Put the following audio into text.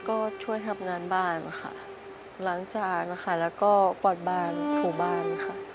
ก็ช่วยทำงานบ้านค่ะล้างจานนะคะแล้วก็ปลอดบ้านถูบ้านค่ะ